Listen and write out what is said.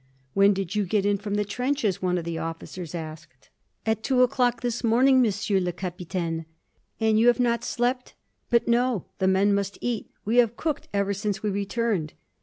"When did you get in from the trenches?" one of the officers asked. "At two o'clock this morning, Monsieur le Capitaine." "And you have not slept?" "But no. The men must eat. We have cooked ever since we returned."